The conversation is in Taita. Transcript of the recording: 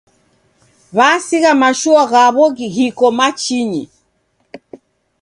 W'asigha mashua ghaw'o ghiko machinyi.